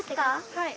はい。